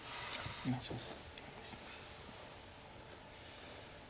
お願いします。